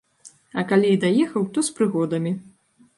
А калі і даехаў, то з прыгодамі.